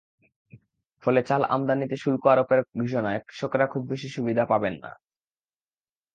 ফলে চাল আমদানিতে শুল্ক আরোপের ঘোষণায় কৃষকেরা খুব বেশি সুবিধা পাবেন না।